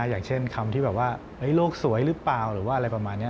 อย่างเช่นคำที่แบบว่าโลกสวยหรือเปล่าหรือว่าอะไรประมาณนี้